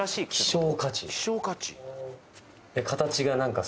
希少価値？